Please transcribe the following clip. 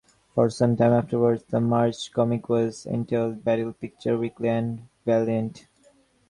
For some time afterwards the merged comic was entitled "Battle Picture Weekly and Valiant".